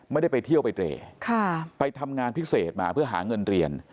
ไม่ได้ไปเที่ยวไปเตรไปทำงานพิเศษมาเพื่อหาเงินเรียน